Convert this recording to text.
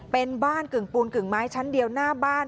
เป็นบ้านกึ่งปูนกึ่งไม้ชั้นเดียวหน้าบ้าน